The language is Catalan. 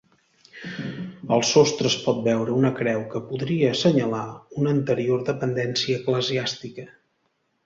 Al sostre es pot veure una creu que podria assenyalar una anterior dependència eclesiàstica.